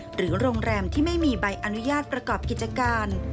หรือโรงแรมที่ไม่มีใบอนุญาตประกอบกิจการ